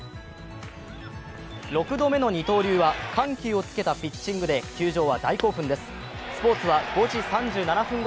６度目の二刀流は緩急をつけたピッチングで、球場は大興奮です。